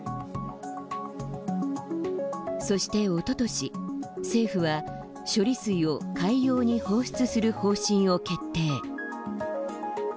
そして、おととし政府は処理水を海洋に放出する方針を決定。